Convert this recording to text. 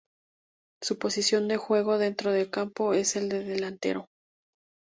Su posición de juego dentro del campo es el de delantero.